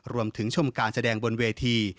รวมถึงชมการแสดงบนเวที